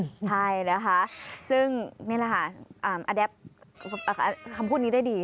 ใช่นะคะซึ่งนี่แหละค่ะคำพูดนี้ได้ดี